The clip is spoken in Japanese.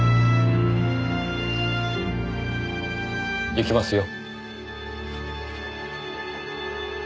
行きますよ。